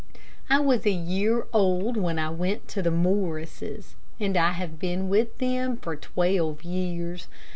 I was a year old when I went to the Morrises, and I have been with them for twelve years.